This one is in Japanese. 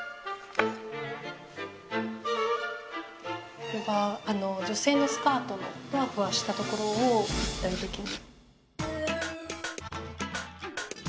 これが女性のスカートのふわふわしたところを立体てきに。